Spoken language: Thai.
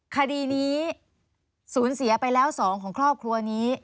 คดีนี้สูญเสียไปแล้ว๒ของครอบครัวนี้